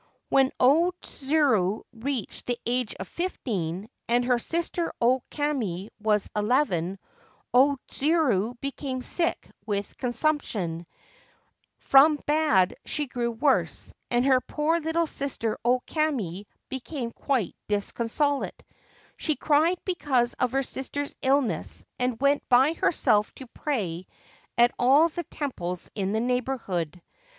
When O Tsuru reached the age of fifteen, and her sister O Kame was eleven, O Tsuru became sick with 127 Ancient Tales and Folklore of Japan consumption ; from bad she grew worse, and her poor little sister O Kame became quite disconsolate ; she cried because of her sister's illness, and went by herself to pray at all the temples in the neighbourhood.